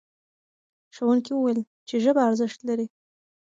ښوونکي وویل چې ژبه ارزښت لري.